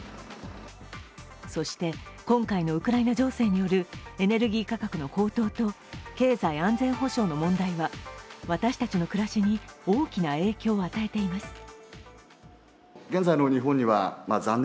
そして、今回のウクライナ情勢によるエネルギー価格の高騰と経済安全保障の問題は、私たちの暮らしに大きな影響を与えています。